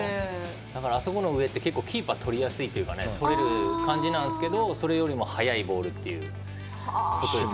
だから、あの上って結構キーパーはとりやすいというかとれる感じなんですがそれよりも速いボールということです。